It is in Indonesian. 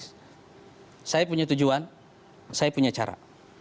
saya punya tujuan saya punya cara